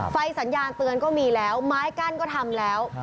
ไฟสัญญาณเตือนก็มีแล้วไม้กั้นก็ทำแล้ว